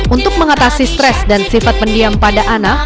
untuk mengatasi stres dan sifat pendiam pada anak